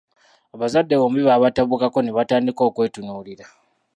Abazadde bombi baabatabukako ne batandika okwetunuulira.